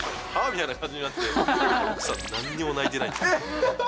みたいな感じになって、奥さん、なんにも泣いてない。